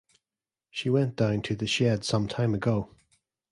She went down to the shed some time ago.